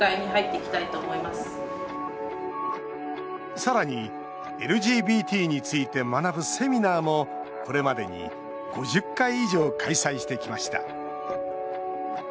さらにＬＧＢＴについて学ぶセミナーもこれまでに５０回以上開催してきました。